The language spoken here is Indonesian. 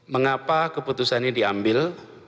mengapa keputusan ini diambil